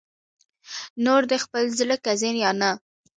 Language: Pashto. نور دې خپل زړه که ځې یا نه